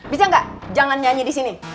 bisa nggak jangan nyanyi di sini